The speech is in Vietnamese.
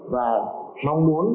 và mong muốn